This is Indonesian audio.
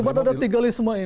beda beda ini ya